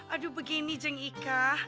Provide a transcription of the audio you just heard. aduh begini jeng ika